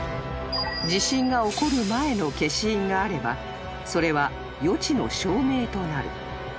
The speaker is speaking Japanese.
［地震が起こる前の消印があればそれは予知の証明となる］